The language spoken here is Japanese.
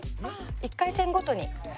１回戦ごとに？